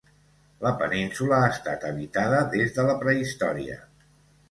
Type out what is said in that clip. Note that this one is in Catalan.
La península ha estat habitada des de la prehistòria.